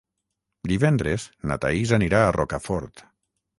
Divendres na Thaís anirà a Rocafort.